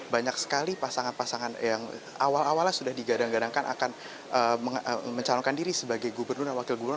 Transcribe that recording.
banyak sekali pasangan pasangan yang awal awalnya sudah digadang gadangkan akan mencalonkan diri sebagai gubernur dan wakil gubernur